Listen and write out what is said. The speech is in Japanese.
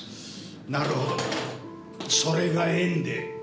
なるほどそれが縁で。